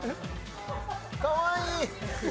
かわいい！